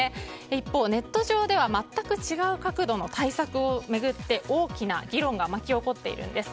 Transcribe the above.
一方、ネット上では全く違う角度の対策を巡って大きな議論が巻き起こっているんです。